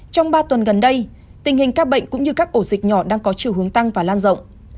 trong ba tuần gần đây tình hình ca bệnh cũng như các ổ dịch nhỏ đang có chiều hướng tăng và lan rộng